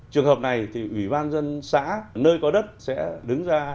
trường hợp này thì ủy ban dân xã nơi có đất sẽ đứng ra